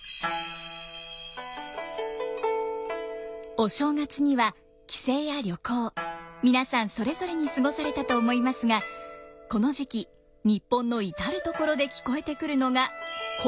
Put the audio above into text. お正月には帰省や旅行皆さんそれぞれに過ごされたと思いますがこの時期日本の至る所で聞こえてくるのが箏の音色。